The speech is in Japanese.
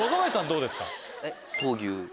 どうですか？